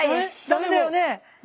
ダメだよね。